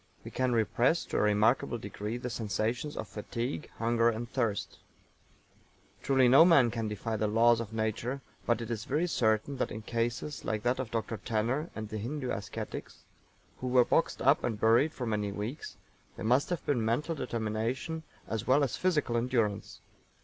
We can repress to a remarkable degree the sensations of fatigue, hunger and thirst. Truly no man can defy the laws of nature, but it is very certain that in cases like that of Dr. TANNER, and the Hindu ascetics who were boxed up and buried for many weeks, there must have been mental determination as well as physical endurance.